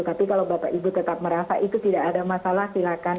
tapi kalau bapak ibu tetap merasa itu tidak ada masalah silakan